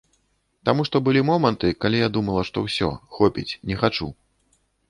Таму што былі моманты, калі я думала, што ўсё, хопіць, не хачу.